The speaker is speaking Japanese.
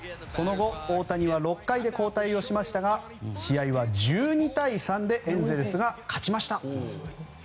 その後、大谷は６回で交代しましたが試合は１２対３でエンゼルスが勝ちました。